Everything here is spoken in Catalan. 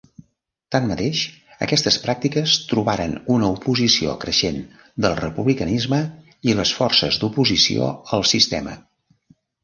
Tanmateix aquestes pràctiques trobaren una oposició creixent del republicanisme i les forces d'oposició al sistema.